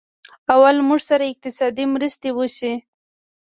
او له موږ سره اقتصادي مرستې وشي